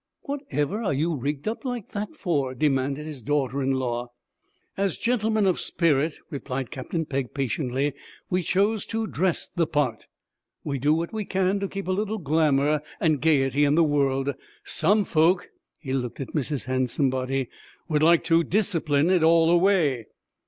'Whatever are you rigged up like that for?' demanded his daughter in law. 'As gentlemen of spirit,' replied Captain Pegg, patiently, 'we chose to dress the part. We do what we can to keep a little glamour and gayety in the world. Some folk' he looked at Mrs. Handsomebody 'would like to discipline it all away.'